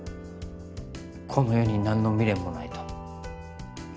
この世に何の未練もないと。